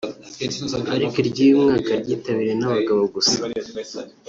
ariko iry’uyu mwaka ryitabiriwe n’abagabo gusa